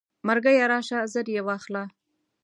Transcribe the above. مرګیه راشه زر یې واخله.